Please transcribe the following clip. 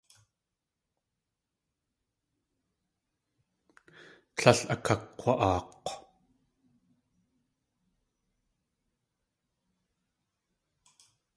Tlél akakg̲wa.aak̲w.